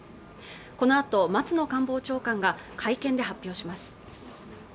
このあと松野官房長官が会見で発表します